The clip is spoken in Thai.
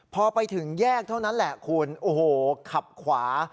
พอไปถึงแยกเท่านั้นแหละคุณโอ้โหขับขวา